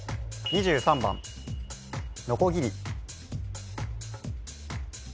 ２３番のこぎり